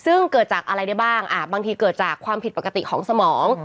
ซึ่งเกิดจากอะไรได้บ้างบางทีเกิดจากความผิดปกติของสมอง